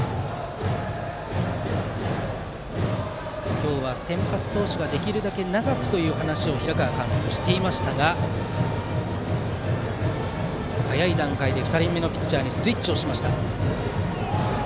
今日は先発投手ができるだけ長くという話を平川監督はしていましたが早い段階で２人目のピッチャーにスイッチしました。